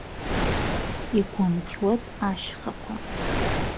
Игәынқьуеит ашьхақәа.